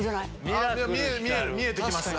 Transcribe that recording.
見えて来ます